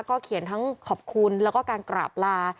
เขียนทั้งขอบคุณแล้วก็การกราบลา